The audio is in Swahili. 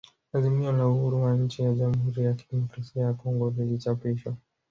Azimio la uhuru wa nchi ya Jamhuri ya kidemokrasia ya Kongo lilichapishwa